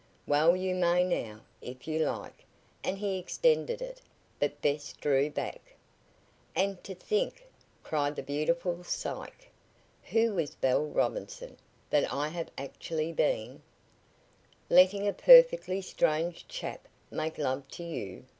"Well, you may now, if you like," and he extended it, but Bess drew back. "And to think," cried the beautiful Psyche, who was Belle Robinson, "that I have actually been " "Letting a perfectly strange chap make love to you!"